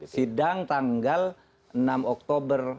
sidang tanggal enam oktober